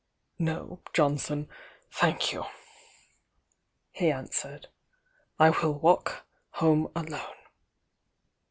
"No, Jonson, thank you!" he answered. "I will walk home alone."